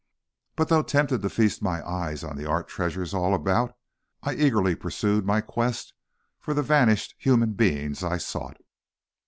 But though tempted to feast my eyes on the art treasures all about, I eagerly pursued my quest for the vanished human beings I sought.